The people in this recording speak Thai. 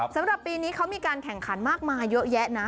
สำหรับปีนี้เขามีการแข่งขันมากมายเยอะแยะนะ